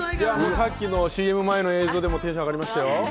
さっきのＣＭ前の映像でテンション上がりましたよ。